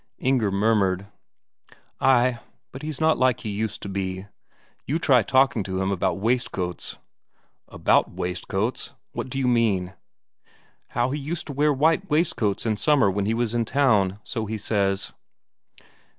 Inger murmured: "Ay, but he's not like he used to be. You try talking to him about waistcoats." "About waistcoats? What d'you mean?" "How he used to wear white waistcoats in summer when he was in town, so he says."